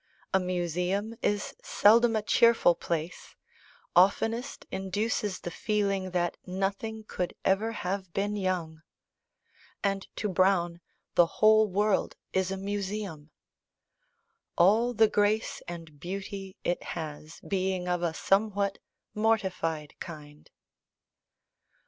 A museum is seldom a cheerful place oftenest induces the feeling that nothing could ever have been young; and to Browne the whole world is a museum; all the grace and beauty it has being of a somewhat mortified kind.